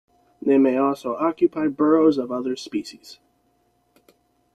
They may also occupy burrows of other species'.